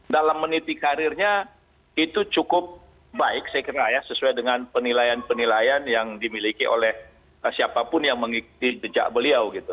dalam meniti karirnya itu cukup baik saya kira ya sesuai dengan penilaian penilaian yang dimiliki oleh siapapun yang mengikuti jejak beliau gitu